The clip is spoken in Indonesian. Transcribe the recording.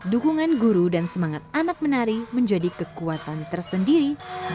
dukungan guru dan semangat anak menari menjadi kekuatan tersendiri